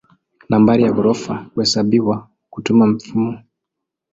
Nambari ya ghorofa huhesabiwa kutumia mfumo wa kuhesabu ghorofa.